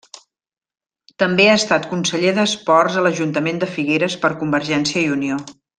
També ha estat conseller d'esports a l'ajuntament de Figueres per Convergència i Unió.